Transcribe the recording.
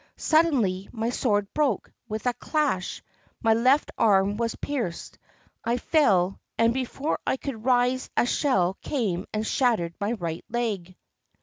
Suddenly my sword broke with a clash, my left arm was pierced. I fell, and before I could rise a shell came and shattered my right leg.